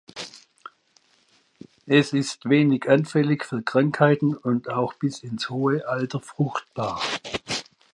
Es ist wenig anfällig für Krankheiten und auch bis ins hohe Alter fruchtbar.